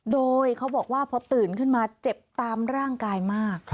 โดยเขาบอกว่าพอตื่นขึ้นมาเจ็บตามร่างกายมาก